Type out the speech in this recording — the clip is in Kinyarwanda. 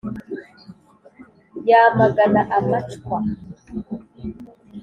Yamagana amacwa*.